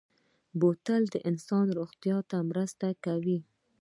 بوتل د انسان روغتیا ته مرسته کوي.